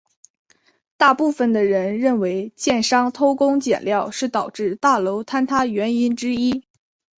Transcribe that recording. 大部分的人认为建商偷工减料是导致大楼坍塌原因之一。